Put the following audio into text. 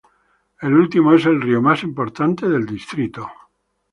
El último es el río más importante del distrito.